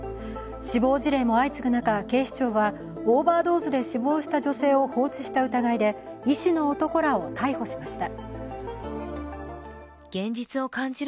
死亡事例も相次ぐ中、警視庁はオーバードーズで死亡した女性を放置した疑いで医師の男らを逮捕しました。